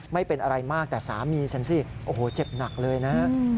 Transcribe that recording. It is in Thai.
ไม่เป็นอะไรมากแต่สามีฉันสิโอ้โหเจ็บหนักเลยนะ